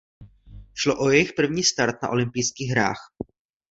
Šlo o jejich první start na olympijských hrách.